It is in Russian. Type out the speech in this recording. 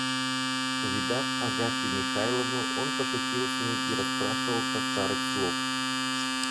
Увидав Агафью Михайловну, он пошутил с ней и расспрашивал про старых слуг.